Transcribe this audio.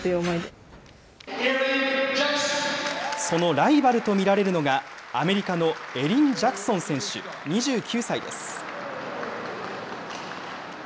そのライバルと見られるのが、アメリカのエリン・ジャクソン選手２９歳です。